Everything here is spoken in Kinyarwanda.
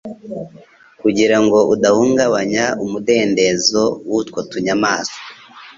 kugira ngo udahungabanya umudendezo w'utwo tunyamaswa